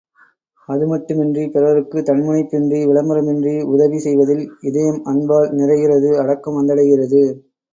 அது மட்டுமின்றிப் பிறருக்குத் தன்முனைப்பின்றி, விளம்பரமின்றி உதவி செய்வதில் இதயம் அன்பால் நிறைகிறது அடக்கம் வந்தடைகிறது.